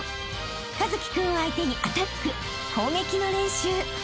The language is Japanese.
［一輝君を相手にアタック攻撃の練習］